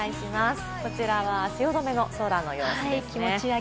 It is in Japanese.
こちらは汐留の空の様子ですね。